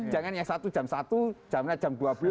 jangan yang satu jam satu jamnya jam dua belas